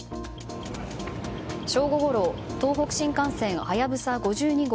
正午ごろ東北新幹線「はやぶさ５２号」